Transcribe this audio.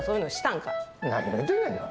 何を言うてんねんな。